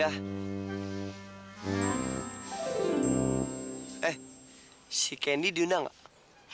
yang penting sekarang gue serahin sama lu tentang hadiah